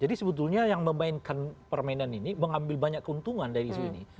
jadi sebetulnya yang memainkan permainan ini mengambil banyak keuntungan dari isu ini